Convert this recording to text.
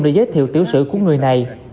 để giới thiệu tiểu sử của người này